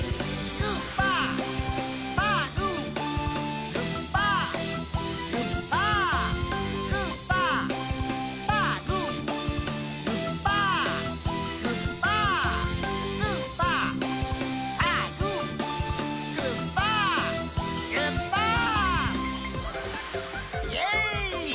グッパーグッパー。